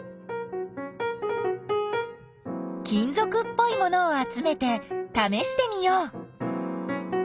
金ぞくっぽいものをあつめてためしてみよう。